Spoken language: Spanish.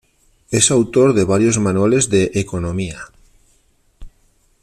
Es autor de varios manuales de economía.